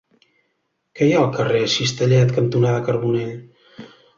Què hi ha al carrer Cistellet cantonada Carbonell?